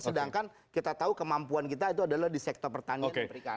sedangkan kita tahu kemampuan kita itu adalah di sektor pertanian dan perikanan